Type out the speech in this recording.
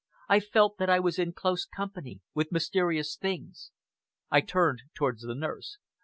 I felt that I was in close company with mysterious things. I turned towards the nurse.